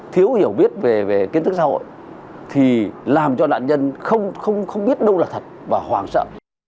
thiếu hiểu biết về kiến thức xã hội thì làm cho nạn nhân không biết đâu là thật và hoàng sợ